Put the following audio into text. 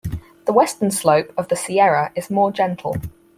The western slope of the Sierra is more gentle.